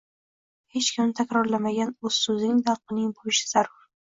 Hech kimni takrorlamagan o‘z so‘zing, talqining bo‘lishi zarur.